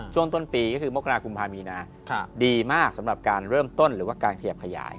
ช่วงต้นปีก็คือมกรากุมภามีนาดีมากสำหรับการเริ่มต้นหรือว่าการขยับขยาย